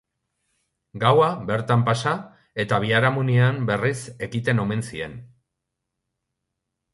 Gaua bertan pasa eta biharamunean berriz ekiten omen zien.